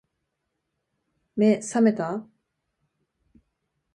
目、さめた？